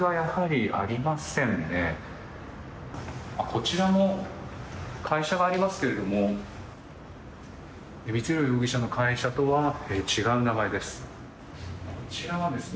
こちらも会社がありますけど光弘容疑者の会社とは違う名前です。